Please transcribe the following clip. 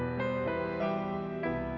apa kamu mau pergi ke mana